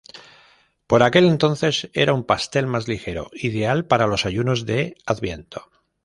Por aquel entonces era un pastel más ligero, ideal para los ayunos de Adviento.